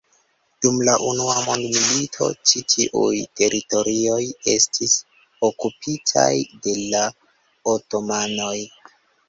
Dum la Unua Mondmilito ĉi tiuj teritorioj estis okupitaj de la otomanoj.